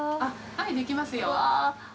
はい、できますよ。